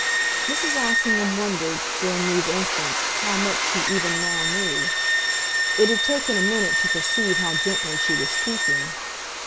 Mrs. Assingham wondered, during these instants, how much she even now knew; it had taken a minute to perceive how gently she was speaking.